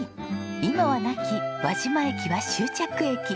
今はなき輪島駅は終着駅。